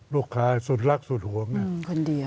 ลูกชายสุดรักสุดหวงเนี่ย